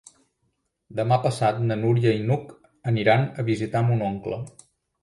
Demà passat na Núria i n'Hug aniran a visitar mon oncle.